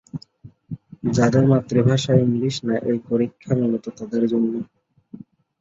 যাদের মাতৃভাষা ইংরেজি না এই পরীক্ষা মূলত তাদের জন্য।